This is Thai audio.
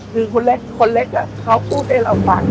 คือคนเล็กเขาพูดให้เราฟัง